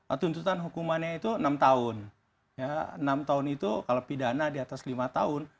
untuk penuntutan hukumannya itu enam tahun enam tahun itu kalau pidana diatas lima tahun